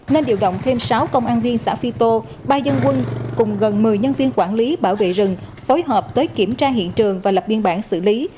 nên điều động thêm sáu công an viên xã phi tô ba dân quân cùng gần một mươi nhân viên quản lý bảo vệ rừng phối hợp tới kiểm tra hiện trường và lập biên bản xử lý